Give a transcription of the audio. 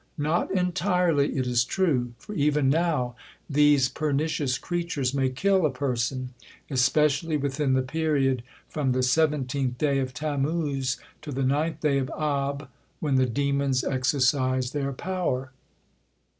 Not entirely, it is true, for even now these pernicious creatures may kill a person, especially within the period from the seventeenth day of Tammuz to the ninth day of Ab, when the demons exercise their power.